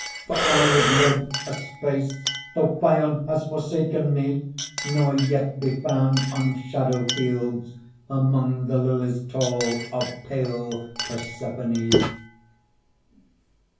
For I would live a space Though Phaon has forsaken me, nor yet Be found on shadow fields Among the lilies tall Of pale Persephone.